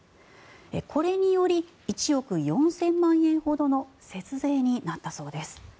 これにより１億４０００万円ほどの節税になったそうです。